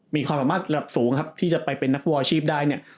มีความสามารถระดับสูงครับที่จะไปเป็นนักฟุตบอลอาชีพได้เนี่ย